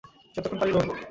যতক্ষণ পারি লড়বো।